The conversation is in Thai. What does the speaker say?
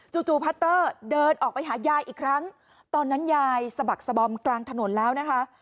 จู่พัตเตอร์เดินออกไปหายายอีกครั้งตอนนั้นยายสะบักสบอมกลางถนนแล้วนะคะ